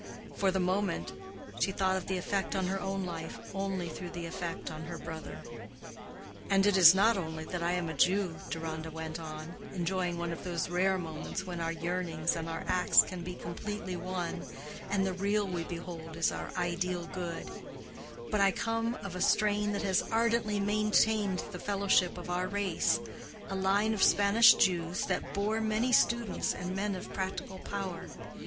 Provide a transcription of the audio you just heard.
For the moment she thought of the effect on her own life only through the effect on her brother. "And it is not only that I am a Jew," Deronda went on, enjoying one of those rare moments when our yearnings and our acts can be completely one, and the real we behold is our ideal good; "but I come of a strain that has ardently maintained the fellowship of our race—a line of Spanish Jews that has borne many students and men of practical power.